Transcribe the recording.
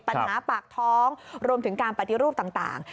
ปัญหาปากท้องรวมถึงการปฏิรูปต่าง